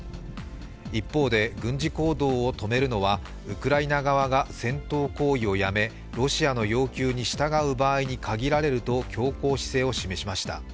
一方で軍事行動を止めるのはウクライナ側が戦闘行為をやめ、ロシアの要求に従う場合に限られると強硬姿勢を示しました。